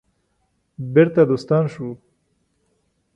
بیرته دوستان شو.